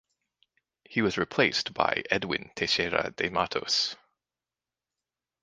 He was replaced by Edwin Teixeira de Mattos.